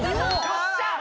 よっしゃ！